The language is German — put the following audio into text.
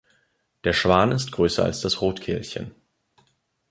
Der Schwan ist größer als das Rotkehlchen.